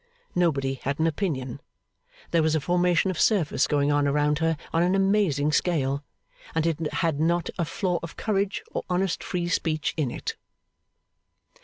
Nobody had an opinion. There was a formation of surface going on around her on an amazing scale, and it had not a flaw of courage or honest free speech in it.